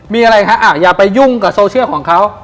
มีอะไรคะอย่าไปยุ่งกับโซเชียลของเขา